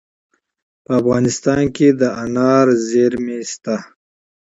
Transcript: په افغانستان کې د انار منابع شته.